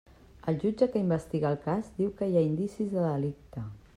El jutge que investiga el cas diu que hi ha indicis de delicte.